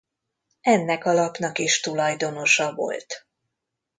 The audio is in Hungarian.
Ennek a lapnak is tulajdonosa volt.